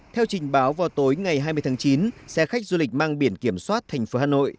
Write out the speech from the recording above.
theo trình báo vào tối ngày hai mươi tháng chín xe khách du lịch mang biển kiểm soát thành phố hà nội